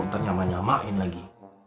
ntar nyamain nyamain lagi